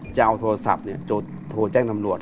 จะเอาโทรศัพท์โทรแจ้งตำรวจ